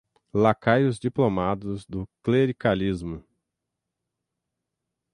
lacaios diplomados do clericalismo